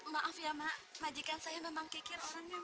maaf ya mak majikan saya memang kekir orangnya mak